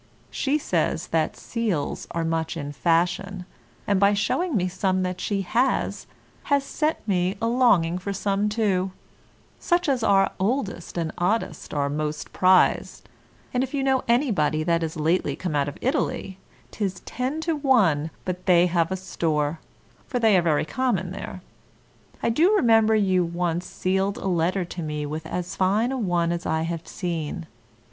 She says that seals are much in fashion, and by showing me some that she has, has set me a longing for some too; such as are oldest and oddest are most prized, and if you know anybody that is lately come out of Italy, 'tis ten to one but they have a store, for they are very common there. I do remember you once sealed a letter to me with as fine a one as I have seen.